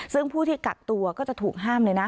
ซึ่งผู้ที่กักตัวก็จะถูกห้ามเลยนะ